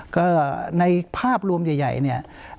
ก็ในภาพรวมใหญ่เนี่ย